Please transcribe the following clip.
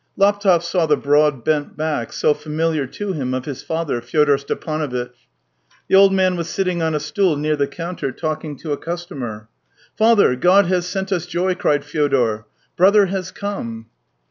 Laptev saw the broad, bent back — so famihar to him — of his father, Fyodor Stepanovitch. 2i8 THE TALES OF TCHEHOV The old man was sitting on a stool near the counter, talking to a customer. " Father, God has sent us joy !" cried Fyodor. " Brother has come